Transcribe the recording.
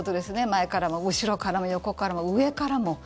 前からも後ろからも横からも上からも。